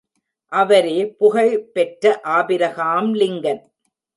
அவரே புகழ் பெற்ற ஆபிரகாம் லிங்கன்!